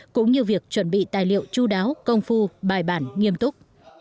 cũng như việc chuẩn bị tài liệu chú đáo công phu bài bản nghiêm túc